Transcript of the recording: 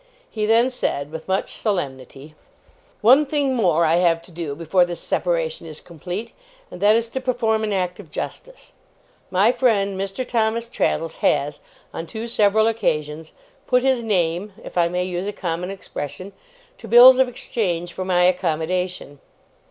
He then said with much solemnity: 'One thing more I have to do, before this separation is complete, and that is to perform an act of justice. My friend Mr. Thomas Traddles has, on two several occasions, "put his name", if I may use a common expression, to bills of exchange for my accommodation.